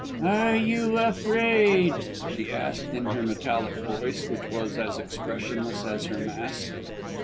"Are you afraid?" she asked in her metallic voice, which was as expressionless as her mask.